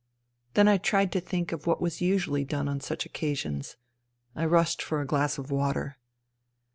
...'* Then I tried to think of what was usually done on such occasions. I rushed for a glass of water.